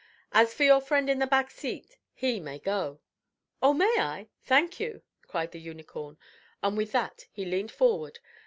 As for your friend in the back seat, he may go " "Oh, may I? Thank you!" cried the Unicorn, and with that he leaned forward.